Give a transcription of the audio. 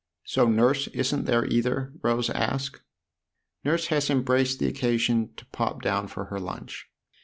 " So Nurse isn't there either ?" Rose asked. " Nurse has embraced the occasion to pop down for her lunch.